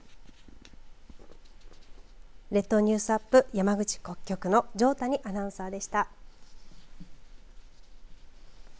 列島ニュースアップ、山口局の条谷アナウンサーでした。